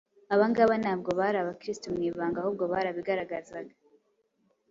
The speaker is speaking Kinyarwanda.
Aba ngaba ntabwo bari Abakristo mu ibanga ahubwo barabigaragazaga.